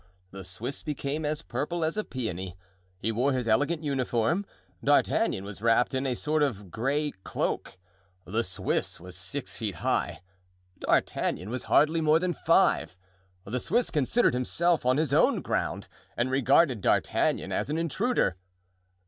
The Swiss became as purple as a peony. He wore his elegant uniform, D'Artagnan was wrapped in a sort of gray cloak; the Swiss was six feet high, D'Artagnan was hardly more than five; the Swiss considered himself on his own ground and regarded D'Artagnan as an intruder.